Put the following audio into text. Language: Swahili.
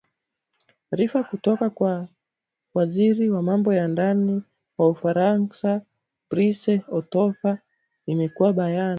rifa kutoka kwa waziri wa mambo ya ndani wa ufaransa bryce otofah imeweka bayana